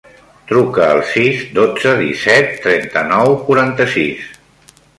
Truca al sis, dotze, disset, trenta-nou, quaranta-sis.